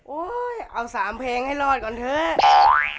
เอา๓เพลงให้รอดก่อนเถอะ